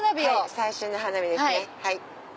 最新の花火ですね。